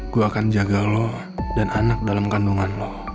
gue akan jaga lo dan anak dalam kandungan lo